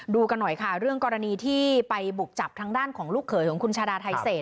ดูกันหน่อยค่ะเรื่องกรณีที่ไปบุกจับทางด้านของลูกเขยของคุณชาดาไทเศษ